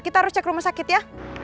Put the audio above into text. kita harus cek rumah sakit ya